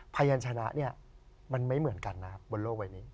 พยานชนะเนี่ยมันไม่เหมือนกันนะครับบนโลกใบนี้